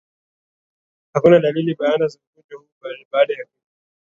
Hakuna dalili bayana za ugonjwa huu baada ya kifo